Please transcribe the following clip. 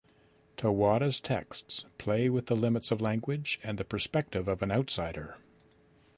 Tawada's texts play with the limits of language and the perspective of an outsider.